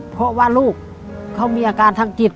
เพราะว่าลูกเขามีอาการทางจิต